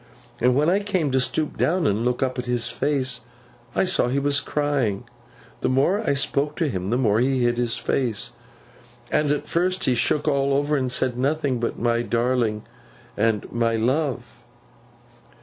And when I came to stoop down and look up at his face, I saw that he was crying. The more I spoke to him, the more he hid his face; and at first he shook all over, and said nothing but "My darling;" and "My love!"